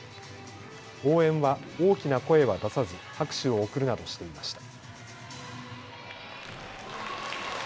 応援は大きな声は出さず拍手を送るなどしていました。